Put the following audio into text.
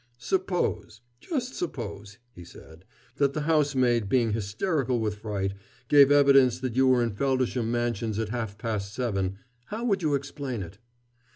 "Suppose just suppose " he said, "that the housemaid, being hysterical with fright, gave evidence that you were in Feldisham Mansions at half past seven how would you explain it?"